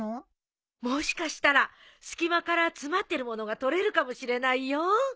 もしかしたら隙間から詰まってるものが取れるかもしれないよ。